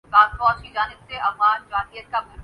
پر کون کرائے گا؟